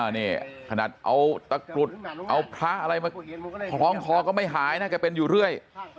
นี่ขนาดเอาตะกรุดเอาพระอะไรมาคล้องคอก็ไม่หายนะแกเป็นอยู่เรื่อย